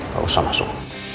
gak usah masuk